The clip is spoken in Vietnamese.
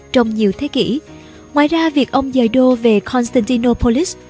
trong nhiều thế kỷ ngoài ra việc ông dời đô về constantinopolis